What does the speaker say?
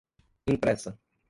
impressa